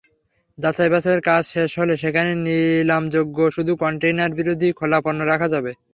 যাচাই-বাছাইয়ের কাজ শেষ হলে সেখানে নিলামযোগ্য শুধু কনটেইনারবিহীন খোলা পণ্য রাখা যাবে।